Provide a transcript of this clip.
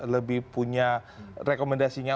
lebih punya rekomendasinya